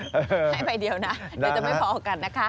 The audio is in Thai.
ให้ใบเดียวนะเดี๋ยวจะไม่พอกันนะคะ